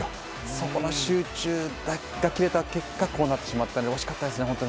そこの集中が切れた結果こうなってしまったので惜しかったですね。